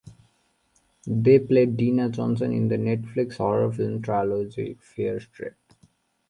They played Deena Johnson in the Netflix horror film trilogy "Fear Street".